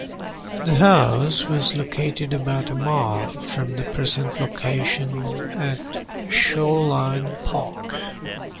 The house was located about a mile from the present location at Shoreline Park.